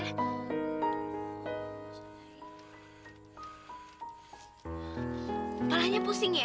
kepalanya pusing ya